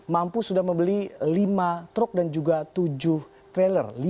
mampu sudah membeli lima truk dan juga tujuh trailer